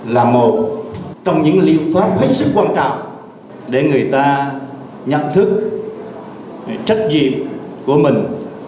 là một trong những liên pháp rất quan trọng để người ta nhận thức trách nhiệm của mình